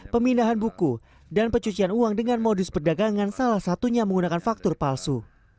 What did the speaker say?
pemindahan buku dan pencucian uang dengan modus perdagangan salah satunya menggunakan faktor palsu